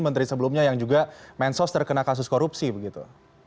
menteri sebelumnya yang juga mensos terkena kasus korupsi begitu